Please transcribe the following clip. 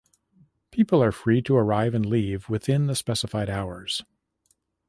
People are free to arrive and leave within the specified hours.